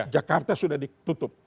jakarta sudah ditutup